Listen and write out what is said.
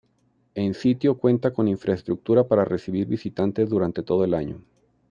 En sitio cuenta con infraestructura para recibir visitantes durante todo el año.